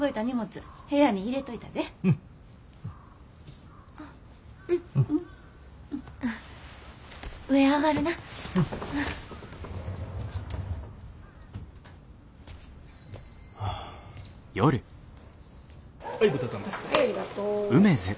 ・はいありがとう。